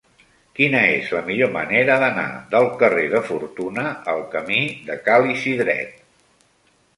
Quina és la millor manera d'anar del carrer de Fortuna al camí de Ca l'Isidret?